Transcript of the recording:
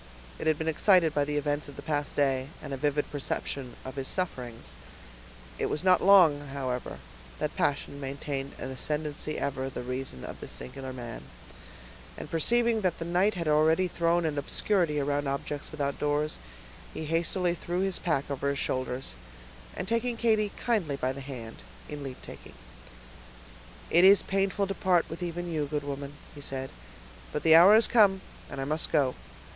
It had been excited by the events of the past day, and a vivid perception of his sufferings. It was not long, however, that passion maintained an ascendency ever the reason of this singular man; and perceiving that the night had already thrown an obscurity around objects without doors, he hastily threw his pack over his shoulders, and taking Katy kindly by the hand, in leavetaking,— "It is painful to part with even you, good woman," he said, "but the hour has come, and I must go.